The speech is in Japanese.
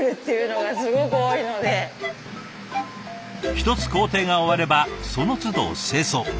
一つ工程が終わればそのつど清掃。